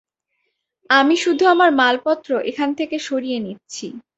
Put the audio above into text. আমি শুধু আমার মালপত্র এখান থেকে সরিয়ে নিচ্ছি।